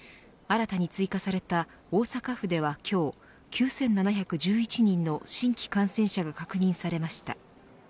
新たに追加された大阪府では今日９７１１人の新規感染者が確認されました。